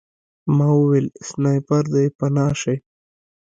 ما وویل سنایپر دی پناه شئ